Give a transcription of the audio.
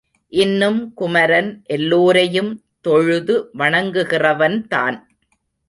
இன்னும் குமரன் எல்லோரையும் தொழுது வணங்கிறவன் தான்.